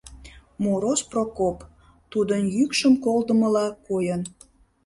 Мороз Прокоп, тудын йӱкшым колдымыла койын: